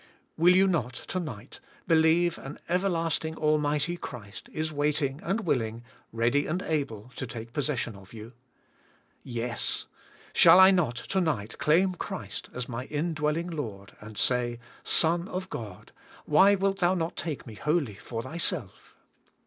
Will you not, to night, believe an Everlasting Almighty Christ is waiting and willing, read}' and able, to take possession of you ? Yes ! Shall I not, to night, claim Christ as my indwelling Lord, and say, Son of God, why wilt Thou not take me wholly for Thyself?